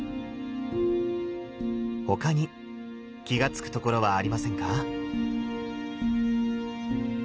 他に気が付くところはありませんか？